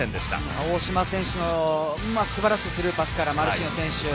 大島選手のすばらしいスルーパスからマルシーニョ選手。